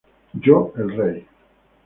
Yo el Rey.